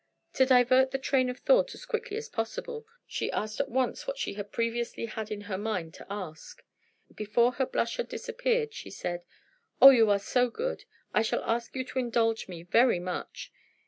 To divert the train of thought as quickly as possible, she at once asked what she had previously had in her mind to ask. Before her blush had disappeared she said: "Oh, you are so good; I shall ask you to indulge me very much.